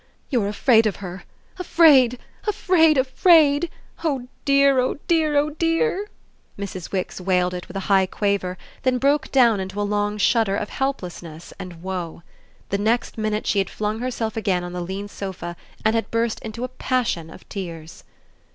"You're afraid of her afraid, afraid, afraid! Oh dear, oh dear, oh dear!" Mrs. Wix wailed it with a high quaver, then broke down into a long shudder of helplessness and woe. The next minute she had flung herself again on the lean sofa and had burst into a passion of tears.